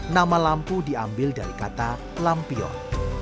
nama lampu diambil dari kata lampion